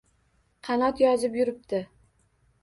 Qanot yozib yuribdi.